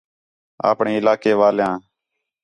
اپݨے علاقے والیاں